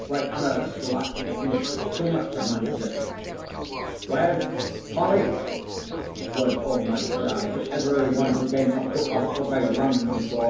(for I honour the slut with too much of my notice), "Where's Polly?" was all my cry, to every one who came up to ask what I rung for.